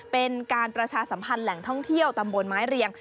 เป็นการประชาสัมพันธ์แหล่งท่องเที่ยวตำบลไม้เรียง